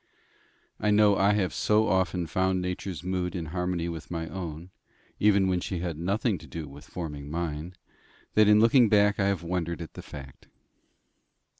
I know I have so often found Nature's mood in harmony with my own, even when she had nothing to do with forming mine, that in looking back I have wondered at the fact.